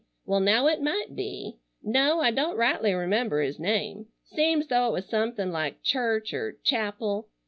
Well now it might be. No, I don't rightly remember his name. Seems though it was something like Church er Chapel.